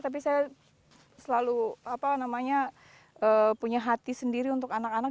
tapi saya selalu punya hati sendiri untuk anak anak